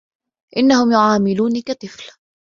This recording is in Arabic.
إنهم يعاملوني كطفل.